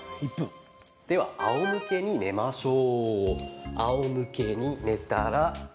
では、あおむけに寝ましょう。